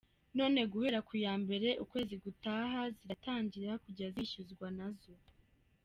None guhera ku ya mbere ukwezi gutaha ziratangira kujya zishyuzwa nazo.